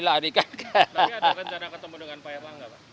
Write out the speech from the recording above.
lagi ada rencana ketemu dengan pak erlangga